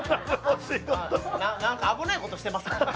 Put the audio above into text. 何か危ないことしてますか？